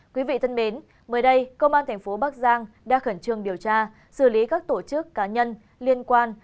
quý vị thân mến mới đây công an thành phố bắc giang đã khẩn trương điều tra xử lý các tổ chức cá nhân liên quan